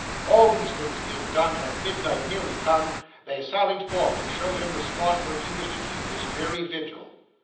All these things being done, and midnight nearly come, they sallied forth to show him the spot where he was to keep his dreary vigil.